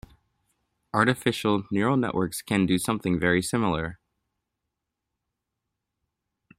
Artificial neural networks can do something very similar.